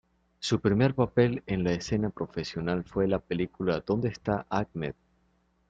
Su primer papel en la escena profesional fue la película "“¿Dónde está Ahmed?